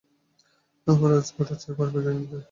আমার আজকেই ওটা চাই, পারবি কিনে দিতে?